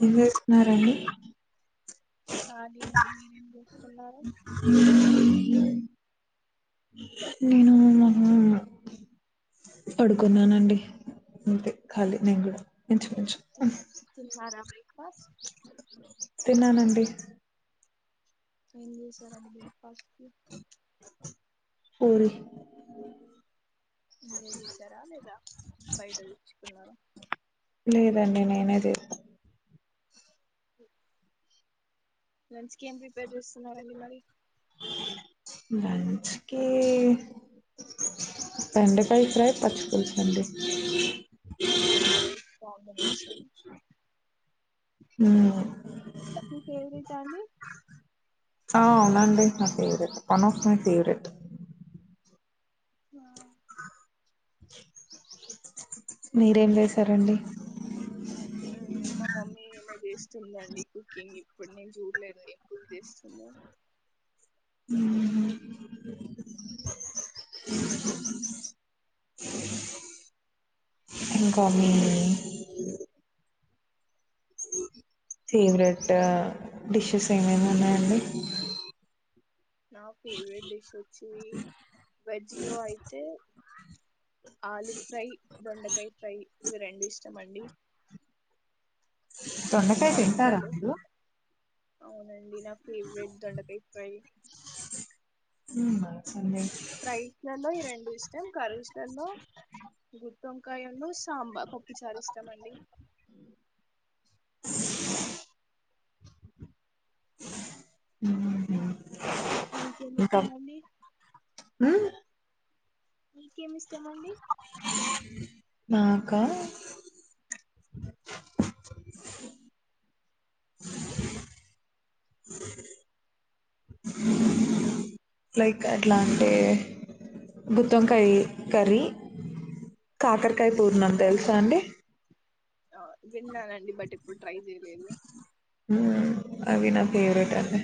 ఏం చేస్తున్నారండి ఖాళీ అండి మీరేం చేస్తున్నారు నేను మా పడుకున్నానండి అంతే ఖళీ నేను కూడా ఇంచుమించు తిన్నరా బ్రేక్ఫాస్ట్ తిన్నానండి ఏం చేశారండీ బ్రేక్ఫాస్ట్ పూరి మీరే చేసారా లేదా బయట తెచ్చుకున్నార లేదండి నేనే చేస హ లంచ్ కి ఏం ప్రిపేర్ చేస్తున్నారండి మరి లంచ్ కి బెండకాయ ఫ్రై పచ్చి పులుసు అండి నైస్ కాంబినేషన్ ఉమ్ మీ ఫేవరెట్ ఆ అండి ఆ అవునండి నా favourite one of my favourite ఆ మీరేం చేసారండి ఉమ్ మా మమ్మీ ఏమొ చేసింది స్తుందండి కుకింగ్ ఎప్పుడు నేను చూడలేదు ఎప్పుడు చేస్తుందో ఉమ్ క [unintelligible] ఫేవరెట్ డిషెస్ ఏమైనా ఉన్నాయండి నా ఫేవరెట్ డిష్ వచ్చి వెజ్లో అయితే ఆలు ఫ్రై దొండకాయ ఫ్రై ఇవి రెండు ఇష్టమండి దొండకాయ తింటారా రైస్లలో మీరు అవునండి నా ఫేవరెట్ దొండకాయ ఫ్రై ఉ [unintelligible] ఫ్రైస్ లో లో ఈ రెండు ఇష్టం కర్రిస్ ల లో గుత్తి వంకాయ ను సాంబార్ పప్పు చారు ఇష్టమండి మ్మ్ మీకు ఏం ఇంకా ఇష్టం మండి మ్మ్ మీకేమి ఇష్టమండి నాకా లైక్ ఎట్లా అంటే గుత్తువంకాయ్ కర్రీ కాకరకాయ మ్మ్. పూర్ణం తెలుసా అండి ఆ విన్నానండి బట్ ఎప్పుడు ట్రై చేయలేదు మ్మ్ అవి నా ఫేవరేట్ అండి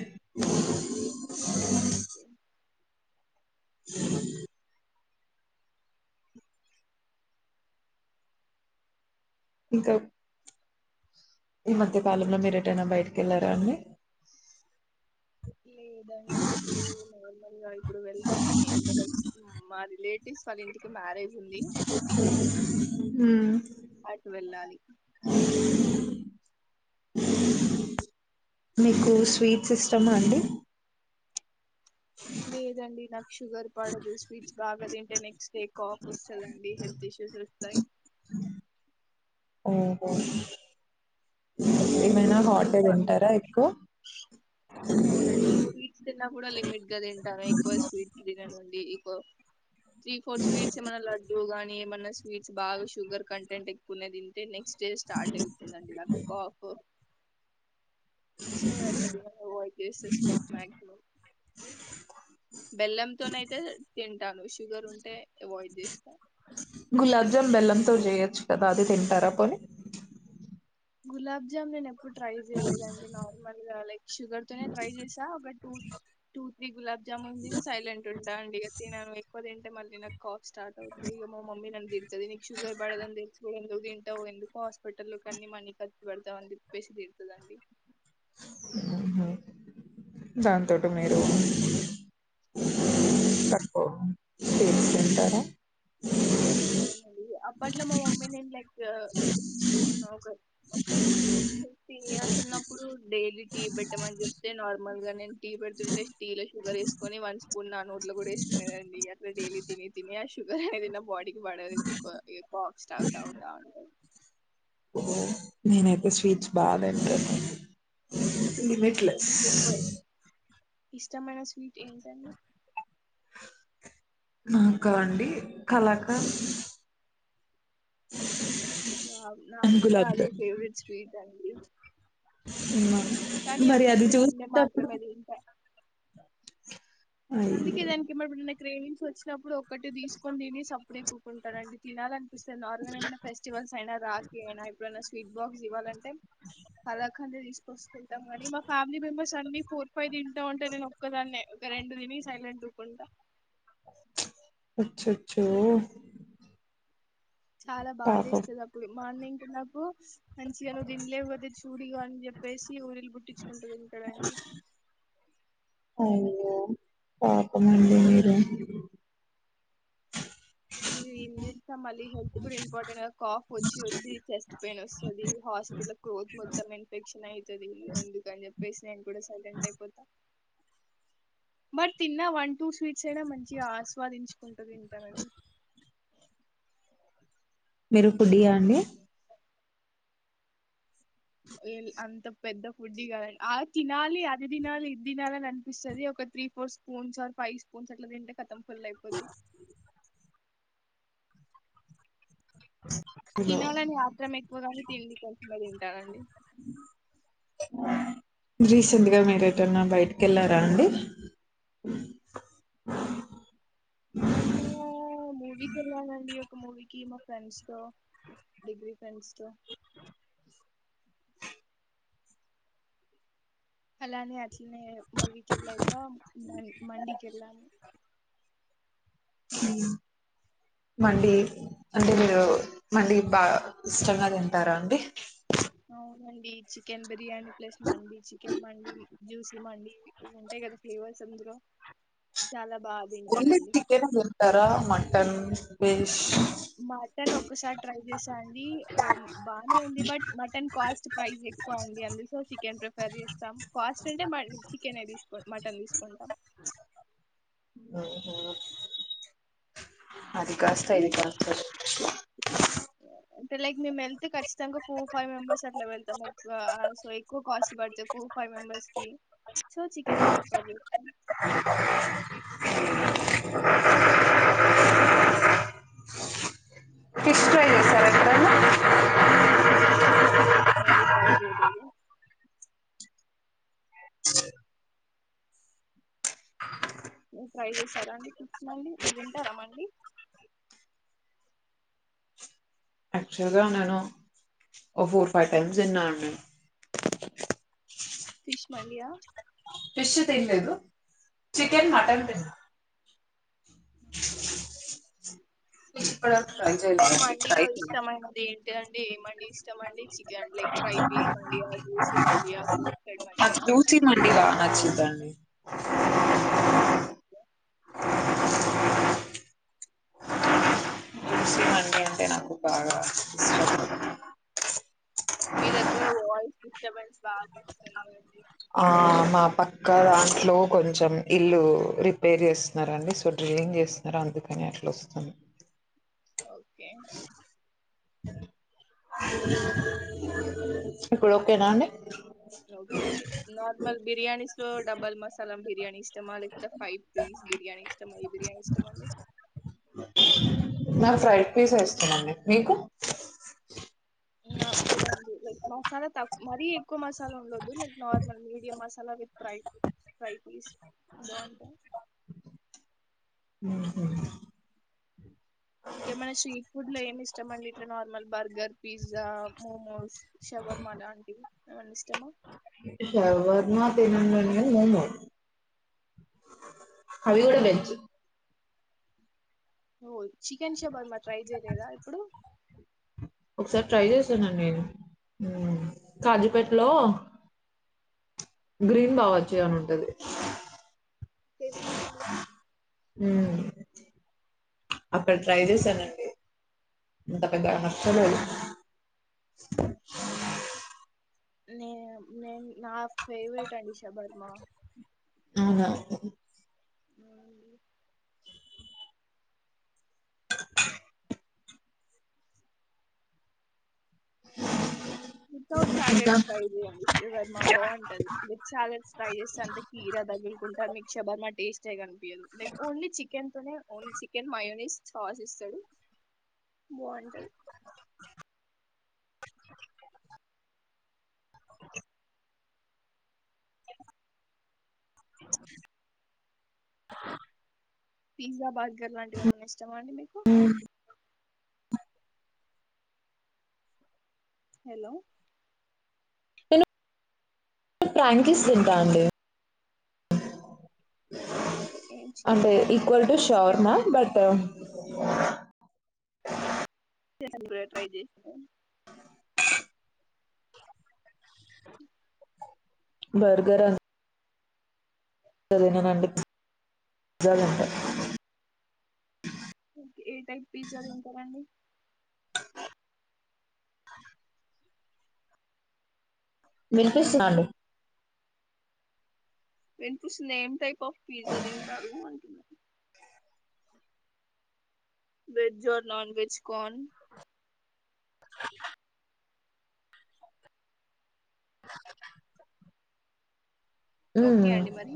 ఓకే ఇంకా ఈ మధ్య కాలంలో మీరు ఎటైనా బయటకి వెళ్లారా అండి లేదండి ఇప్పుడు నార్మల్ గా ఇప్పుడు వెళ్దామని ఎండ లో మాది పదింటికి మ్యారేజ్ ఉంది హ్మ్ అటు వెళ్ళాలి మీకు స్వీట్స్ ఇష్టమా అండి లేదండి నాకు షుగర్ పడదు స్వీట్స్ బాగా తింటేనే ఏ కాఫ్ వస్తాదండీ హెల్త్ ఇష్యూస్ వస్తాయ్ ఓహో ఏమైనా నాకు హాటే షుగర్ తింటారా ఎక్కువ అవునండి స్వీట్స్ తిన్నా కూడా లిమిట్ గా తింటాను ఎక్కువ స్వీట్స్ తినను అండి ఎక్కువ త్రీ ఫోర్ స్వీట్స్ ఏమైనా లడ్డు గానీ ఏమన్నా స్వీట్స్ బాగా షుగర్ కంటెంట్ ఎక్కువ ఉన్నయి తింటే నెక్స్ట్ డే స్టార్ట్ అయితుందండి నాకు కాఫ్ సో అట్లా తినను ఎవాయిడ్ చేస్త స్విట్ మాక్సిమం బెల్లం తో అయితే తింటాను షుగర్ ఉంటే అవాయిడ్ చేస్తా గులాబ్ జామ్ బెల్లంతో చేయొచ్చు కదా అది తింటారా పోని గులాబ్ జామ్ నేను ఎప్పుడు ట్రై జెయలేదండి మల్ల లైక్ షుగర్ తోనే ట్రై చేసా ఒక two two three gulab jamun తిని సైలెంట్ ఉంటా అండి ఇగ తినను ఎక్కువ తింటే మళ్ళీ నాకు కాఫ్ స్టార్ట్ అవుతుది ఇగ మా మమ్మీ నన్ను దిడ్తది నీకు షుగర్ బడదని దెలుసు ఎందుకు దింటవ్ ఎందుకు హాస్పిటల్లు కన్ని మనీ ఖర్చు పెడ్తావ్ అని తిప్పేసి తిడుతదండి దాంతోట మీరు తివా అండి సుంటారా అవునండి అప్పట్లో మా మమ్మీ నేను లైక్ చిన్న ఒక ఫిఫ్టీన్ ఇయర్స్ ఉన్నప్పుడు డైలీ టీ పెట్టమని చెప్తే నార్మల్ గా నేను టీ పెడుతుంటే స్టీల్ షుగర్ వేసుకొని వన్ స్పూన్ నా నోట్లో గూడా వేసుకునేదండి అట్లా డైలీ తిని తిని ఆ షుగర్ అనేది నా బాడీ బడదు ఎందుకో ఇగ కాఫ్ స్టార్ట్ అవుతా ఉంటది ఓ, నేనైతే స్వీట్స్ బా తింటాను లిమిట్లెస్ మీకు ఎక్కువ ఇష్టమైన స్వీట్ ఏంటండి నాకా అండి కళాకా వావ్ అండ్ నాకు కూడా గులాబ్ అదే ఫేవరెట్ స్వీట్ అండి ఉమ్ కానీ ఒకటి రెండె మాత్రమే తింటా అయ్యో అందుకే దానికి ఏమబిడున్న క్రేవిన్స్ వచ్చినప్పుడు ఒకటి తీసుకొని తిని సప్పుడేక్ కూకుంటానండి తినాలనిపిస్తది నార్మల్ ఏమైనా ఫెస్టివల్స్ అయినా రాఖి అయినా ఎప్పుడైనా స్వీట్ బాక్స్ ఇవ్వాలంటే కలాకందే తీస్కొసుకుంటాం గనీ మా ఫ్యామిలీ మెంబెర్స్ అన్ని ఫోర్ ఫైవ్ తింటా ఉంటే నేను ఒక్కదాన్నే ఒక రెండు తిని సైలెంట్ ఉకుంట అచ్చచ్చో చాలా పాపం బాదేస్తుది అప్పుడు మార్నింగ్ కునప్పు మంచిగా నువ్వు దినలేవ్ గదే చూడిగ అని చెప్పేసి ఊరిళ్ పుట్టించుకుంటు తింటడండి అయ్యో పాపమండి మీరు ఏం చేస్తా మళ్ళీ హెల్త్ కూడా ఇంపార్టెంట్ కాఫ్ వచ్చి వచ్చి చెస్ట్ పెయిన్ వస్తది హాస్పిటల్ క్రోత్ మొత్తం ఇన్ఫెక్షన్ అయితది ఎందుకని చెప్పేసి నేను కూడా సైలెంట్ అయిపోతా మరి తిన్నా వన్ టూ స్వీట్స్ అయినా మంచిగా ఆస్వాదించుకుంటు తింటానండి మీరు ఫుడియాండి అంత పెద్ద ఫుడ్డీ కాదన్ ఆ తినాలి అది తినాలి ఇది తినాలిని అనిపిస్తది ఒక three four spoons or five spoons అట్ల తింటే కతం ఫుల్ అయిపోద్ది అవును తినాలని ఆత్రం ఎక్కువగాని తిండి కొంచెమే తింటానండి రీసెంట్గా మీరు ఎటన్నా బయటికి ఎళ్ళారా అండి మొన్నా మూవీ కెల్లానండి ఒక మూవీకి మా ఫ్రెండ్స్ తో డిగ్రీ ఫ్రండ్స్ తో అలానే అట్లనే మూవీకెళ్ళాక మన్ మండీకెళ్ళాం హ మండీ అంటే మీరు మండీ బా ఇష్టంగా తింటారా అండి అవునండి చికెన్ బిర్యానీ ప్లస్ మండి చికెన్ మండి జ్యూసీ మండి ఇవుంటయి గదా ఫ్లేవర్ సందులో చాల ఒన్లీ చికెన్ దొరుకుతార మటన్ మటన్ ఒక్కసారి ట్రై చేసా అండి బానే ఉంది బట్ మటన్ కాస్ట్ ప్రైస్ ఎక్కువ అండి అందుసో చికెన్ ప్రిఫర్ చేస్తాం కాస్ట్ అంటే చికెనే తీసుకో మటన్ తీసు కొంటం ఊహు అది కాస్తా ఇది కాస్త అ అంటే లైక్ మేమెళ్తే ఖచ్చితంగా ఫోర్ ఫైవ్ మెంబర్స్ అట్లా వెళ్తాము ఆ సో ఎక్కువ కాస్ట్ బడ్ చొపు ఫైవ్ మెంబర్స్కి సో చికెనే ప్రిఫర్ జేస్తం ఫిష్ ఫ్రై జేసార ఎప్పుడన్న లేదండి ఫిష్ ఫ్రై ట్రై జేయలేదు మీరు ట్రై జేసారా అండి ఫిస్ మళ్ళీ మీరు దింటారామండి యాక్చువల్ గా నేను ఓ ఫోర్ ఫైవ్ టైమ్స్ దిన్నా అండి ఫిష్ మండియా ఫిష్ తిండ్లేదు చికెన్ మటన్ తిన్నా ఫిష్ ఇప్పటివరకు ట్రై మీకు చేయలేదండి ట్రై మండీలో చేయాలి ఇష్టమైనది ఏంటండి ఏ మండి ఇష్టమండి చి మండియా రోస్టెడ్ నాకు మండియా రూచి మండిలా నచ్చిద్దండి అండి రూసి మండి అంటే నాకు బాగా ఇష్ట మీ దగ్గర వాయిస్ డిస్టర్బెన్స్ బాగవస్తుందండి ఆ మా పక్క దాంట్లో కొంచెం ఇల్లు రిపేర్ జేస్తున్నారండి సో డ్రింగ్ జెస్తున్నారో అందుకని అట్లొస్తుంది ఓకే ఇప్పుడు ఓకేనా అండి లౌకే అండి నార్మల్ బిర్యానీస్ లో డబల్ మసాలా బిర్యానీ ఇష్టమా లేకపోతే ఫైవ్ పీస్ బిర్యానీ ఇష్టమా ఈ బిర్యానీ ఇష్టమాండి నా ఫ్రైడ్ పీసే ఇష్టమండి మీకు నాక్కూడా అంతే [unintelligible] మసాలా తక్క్ మరీ ఎక్కువ మసాలా ఉండొద్దు like normal medium masala with ప్రై ఫ్రై పీస్ బాంటాయ్ ఇంకేమైనా స్ట్రీట్ ఫుడ్ లో ఏమి ఇష్టం అండి ఇట్లా నార్మల్ బర్గర్ పిజ్జా మోమోస్ షవ మాలాంటి ఏమన్నా ఇష్టమా శవర్మ తినమనే నువు అవి గుడా వెజ్ నువ్వు చికెన్ షబర్మా ట్రై జెయలేదా ఎప్పుడు ఒకసారి ట్రై జేశానండి ఊమ్ నేను కాజీపేట్లో గ్రీన్ బావొచ్చయ అని ఉంటది తెలుసండి మ్ అక్కడ ట్రై జేశానండి ఎంత పెద్ద హస్టలో అది నే నేను నా ఫేవరెట్ అండి షభర్మా అవునా మళ్ళీ వితౌట్ ఇంకా సలాడ్స్ ట్రై చెయ్యండి శవర్మ బాగుంటది విత్ సలాడ్స్ ట్రై చేస్తే అంత కీరా తగులుకుంట మిక్ష బర్మ టేస్ట్ కను యదు ఓన్లీ చికెన్ తోనే ఓన్లీ చికెన్ మయోనిస్ సాస్ ఇస్తాడు బ్వాంటది పిజ్జా బర్గర్ లాంటివి ఏమన్నా ఇష్టమా అండి మీకు హెలో నేను ప్రాంకిస్ దింటా అండి ఓకే చికెన్ అంటే ప్ర equal uh to chicken shawarma but తదుతాడి [inaudible] try చేసి బర్గరా అదింట ఏ టైప్ పిజ్జా తింటారండి వినిపిస్తున్నాను న స్ నేమ్ టైప్ ఆఫ్ పిజ్జా తింటారు అంటున్నారు వెజ్ ఆ నన్ వెజ్ కోన్ ఓకే మ్మ్. అండి మరి